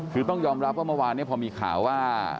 คือต้องยอมรับว่าเมื่อวานพอมีข่าวว่า